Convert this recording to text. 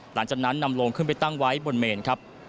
หลังจากนั้นนำโลงขึ้นไปตั้งไว้บนเมนครับ